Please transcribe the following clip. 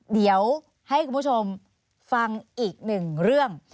เดี๋ยวให้คุณผู้ชมฟังอีกหนึ่งเรื่อง